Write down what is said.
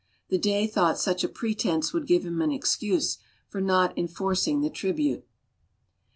The Dey thought such a pretense would give him an excuse for not enforcing the tribute.